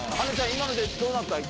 今のでどうなった？